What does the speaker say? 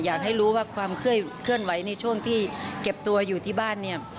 อยากให้รู้ว่าความเคลื่อนไหวในช่วงที่เก็บตัวอยู่ที่บ้านเนี่ย